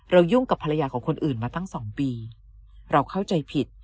ยุ่งกับภรรยาของคนอื่นมาตั้งสองปีเราเข้าใจผิด